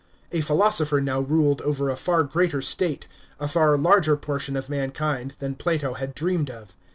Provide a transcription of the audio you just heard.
A philosopher now ruled over a far greater state, a far larger portion of mankind, than Plato had dreamed of.